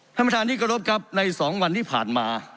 ท่านประธานที่กรบครับใน๒วันที่ผ่านมา